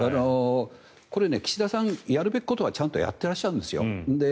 これ、岸田さんやるべきことはちゃんとやっていらっしゃるんですよ。